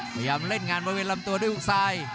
พยายามเล่นงานบริเวณลำตัวด้วยฮุกซ้าย